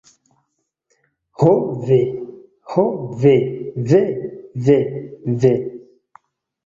Ho ve. Ho ve ve ve ve.